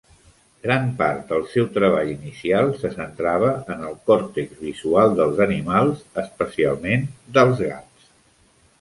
Gran part del seu treball inicial se centrava en el còrtex visual dels animals, especialment dels gats.